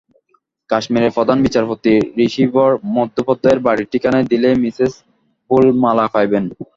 কাশ্মীরের প্রধান বিচারপতি ঋষিবর মুখোপাধ্যায়ের বাড়ীর ঠিকানায় দিলেই মিসেস বুল মালা পাইবেন।